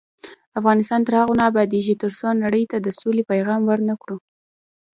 افغانستان تر هغو نه ابادیږي، ترڅو نړۍ ته د سولې پیغام ورنکړو.